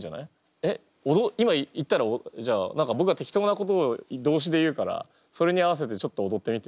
えっ今言ったらぼくが適当なことを動詞で言うからそれに合わせてちょっとおどってみて。